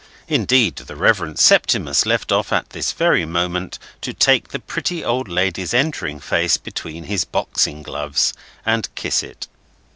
Indeed, the Reverend Septimus left off at this very moment to take the pretty old lady's entering face between his boxing gloves and kiss it.